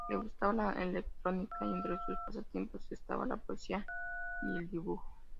Le gustaba la electrónica y entre sus pasatiempos estaba la poesía y el dibujo.